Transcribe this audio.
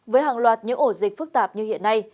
với hàng loạt những ổ dịch phức tạp như hiện nay